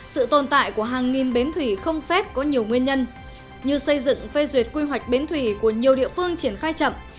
sự tồn tại của hàng nghìn bến thủy không phép có nhiều nguyên nhân như xây dựng phê duyệt quy hoạch bến thủy của nhiều địa phương triển khai chậm